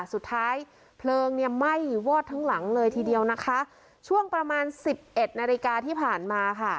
เพลิงเนี่ยไหม้วอดทั้งหลังเลยทีเดียวนะคะช่วงประมาณสิบเอ็ดนาฬิกาที่ผ่านมาค่ะ